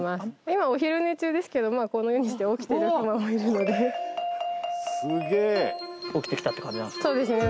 今お昼寝中ですけどこのようにして起きてるクマもいるのですげえ起きてきたって感じそうですね